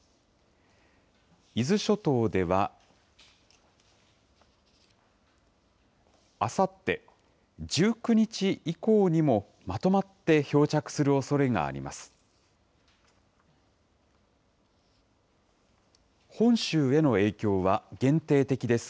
伊豆諸島では、あさって１９日以降にも、まとまって漂着するおそれがあります。